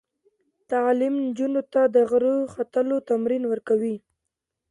تعلیم نجونو ته د غره ختلو تمرین ورکوي.